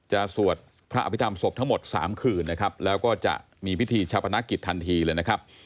สวดพระอภิษฐรรมศพทั้งหมด๓คืนนะครับแล้วก็จะมีพิธีชาปนกิจทันทีเลยนะครับ